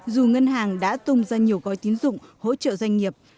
dù ngân hàng đã tung ra nhiều gói tín dụng hỗ trợ doanh nghiệp